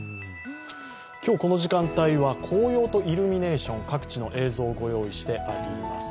今日この時間帯は紅葉とイルミネーション、各地の映像をご用意してあります。